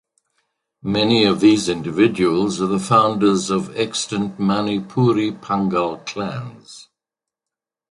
Many of these individuals are the founders of extant Manipuri Pangal clans.